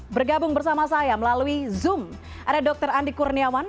bergabung bersama saya melalui zoom ada dr andi kurniawan